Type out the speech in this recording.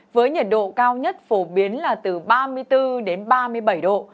với nhiệt độ cao nhất phổ biến là từ ba mươi bốn đến ba mươi bảy độ